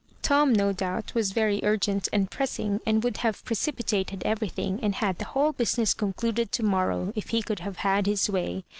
Tom, no doubt, was very urgent and pressing, and would have precipitated everything, and had the whole business concluded to morrow, if he could have had his way.